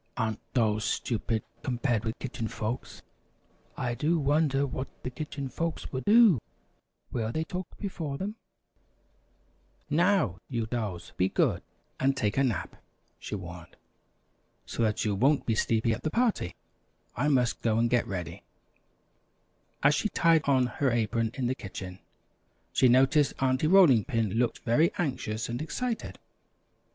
Aren't dolls stupid compared with Kitchen Folks? I do wonder what the Kitchen Folks will do. Will they talk before them?" [Illustration: Looking very anxious and excited.] "Now, you dolls, be good, and take a nap," she warned, "so that you won't be sleepy at the party. I must go and get ready." As she tied on her apron in the kitchen, she noticed Aunty Rolling Pin looked very anxious and excited.